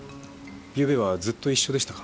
ゆうべはずっと一緒でしたか？